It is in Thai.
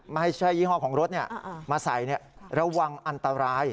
ไม่ใช่ยี่ห้อของรถมาใส่ระวังอันตราย